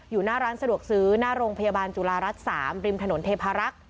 หน้าร้านสะดวกซื้อหน้าโรงพยาบาลจุฬารัฐ๓ริมถนนเทพารักษ์